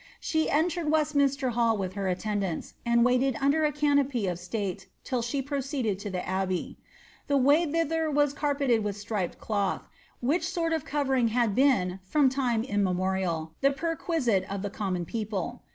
She entered Westminster Hall with her attendants, and waited under a canopy of state till she pro ceeded to the abbey. Tlie way thither was carpeted with striped cloth, which sort of covering had been, from time immemorial, the perquisite of the common people.